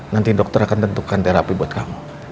nanti dokter akan tentukan terapi buat kamu